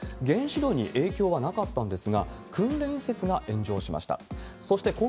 原子炉に影響はなかったんですが、訓練施設が炎上しました。